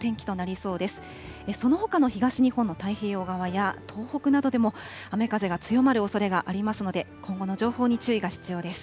そのほかの東日本の太平洋側や、東北などでも雨風が強まるおそれがありますので、今後の情報に注意が必要です。